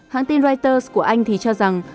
hãng tin reuters của anh thì cho rằng